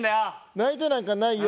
泣いてなんかないよ。